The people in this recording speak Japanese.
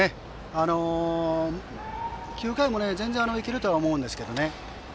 ９回も全然行けるとは思うんですけどね。